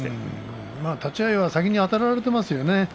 立ち合い先にあたられていますよね。